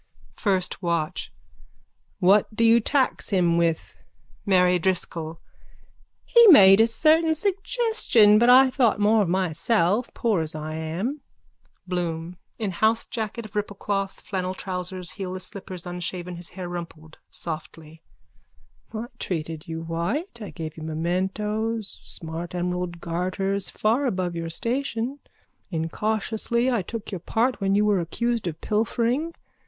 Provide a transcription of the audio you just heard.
FIRST WATCH: What do you tax him with? MARY DRISCOLL: He made a certain suggestion but I thought more of myself as poor as I am. BLOOM: (In housejacket of ripplecloth, flannel trousers, heelless slippers, unshaven, his hair rumpled: softly.) I treated you white. I gave you mementos, smart emerald garters far above your station. Incautiously I took your part when you were accused of pilfering.